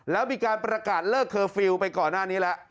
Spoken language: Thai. แล้วมีการประกาศเลิกเคอร์ฟิลล์ไปก่อนหน้านี้แล้ว